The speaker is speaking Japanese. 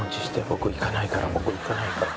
僕行かないから僕行かないから。